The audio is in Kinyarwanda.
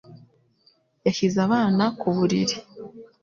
Yashyize abana ku buriri.